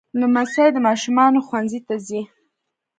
لمسی د ماشومانو ښوونځي ته ځي.